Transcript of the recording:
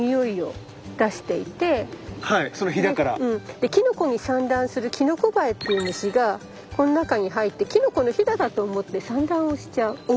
でキノコに産卵するキノコバエっていう虫がこの中に入ってキノコのひだだと思って産卵をしちゃう。